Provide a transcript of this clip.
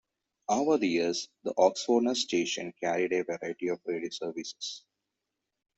Over the years, the Orfordness station carried a variety of radio services.